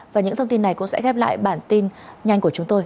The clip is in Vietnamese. và những thông tin này cũng sẽ khép lại bản tin nhanh của chúng tôi